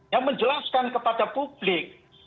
yang menjelaskan kepada publik